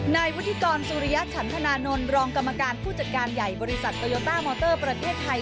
นายวุฒิกรสุริยะฉันธนานนท์รองกรรมการผู้จัดการใหญ่บริษัทโตโยต้ามอเตอร์ประเทศไทย